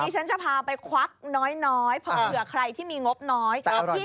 นี่ฉันจะพาไปควักน้อยน้อยเผื่อใครมีงบน้อย